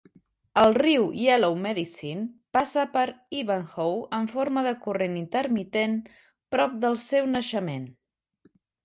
El riu Yellow Medicine passa per Ivanhoe en forma de corrent intermitent prop del seu naixement.